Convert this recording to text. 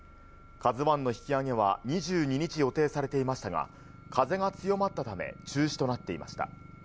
ＫＡＺＵＩの引き揚げは２２日予定されていましたが、風が強まったため中止となっていました。